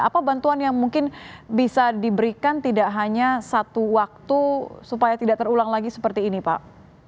apa bantuan yang mungkin bisa diberikan tidak hanya satu waktu supaya tidak terulang lagi seperti ini pak